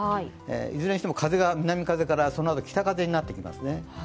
いずれにしても風が南風からそのあと北風になってきます。